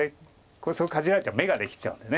これそこかじられちゃ眼ができちゃうんで。